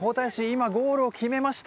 今、ゴールを決めました！